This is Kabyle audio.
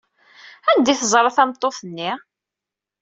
Anda ay teẓra tameṭṭut-nni?